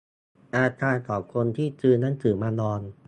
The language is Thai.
อาการของคนที่ซื้อหนังสือมาดอง